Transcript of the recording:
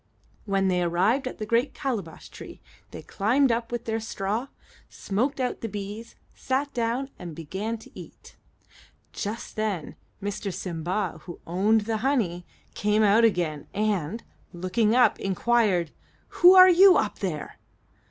When they arrived at the great calabash tree they climbed up with their straw, smoked out the bees, sat down, and began to eat. Just then Mr. Simba, who owned the honey, came out again, and, looking up, inquired, "Who are you, up there?"